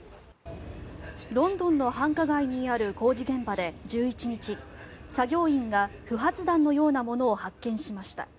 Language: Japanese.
ロンドンの繁華街にある工事現場で１１日作業員が不発弾のようなものを発見しました。